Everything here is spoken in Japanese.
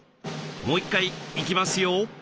もう１回いきますよ。